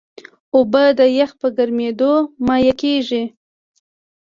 اوبه د یخ په ګرمیېدو مایع کېږي.